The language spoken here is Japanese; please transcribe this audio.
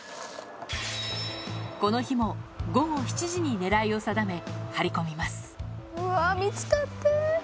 この日も、午後７時に狙いを定め、張り込みます。